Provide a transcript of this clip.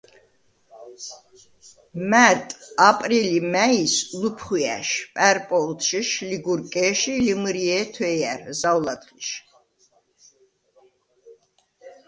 მა̈რტ, აპრილ ი მა̈ის – ლუფხუ̂ჲა̈შ, პა̈რპო̄ლდშიშ, ლიგურკე̄შ ი ლიმჷრჲე̄ თუ̂ეჲა̈რ – ზაუ̂ლა̈დღიშ,